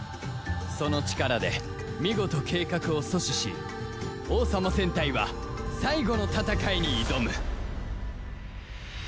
その力で見事計画を阻止し王様戦隊は最後の戦いに挑む